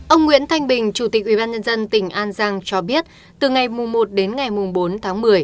ông nguyễn thanh bình chủ tịch ubnd tỉnh an giang cho biết từ ngày một đến ngày bốn tháng một mươi